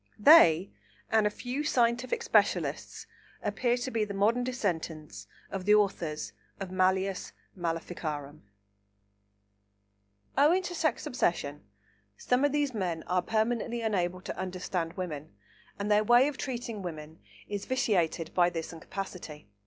They and a few scientific specialists appear to be the modern descendants of the authors of Malleus Maleficarum. Owing to sex obsession, some of these men are permanently unable to understand women, and their way of treating women is vitiated by this incapacity.